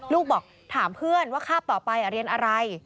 ลูกบอกถามเพื่อนว่าคาบต่อไปเรียนอะไร